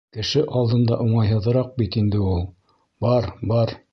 — Кеше алдында уңайһыҙыраҡ бит инде ул. Бар, бар.